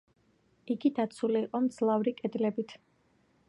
იგი დაცული იყო მძლავრი კედლებით.